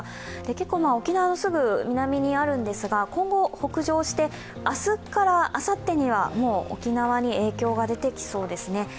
結構、沖縄のすぐ南にあるんですが今後北上して、明日からあさってには、もう沖縄に影響が出てきそうですね。